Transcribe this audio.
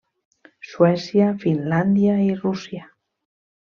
Suècia, Finlàndia i Rússia.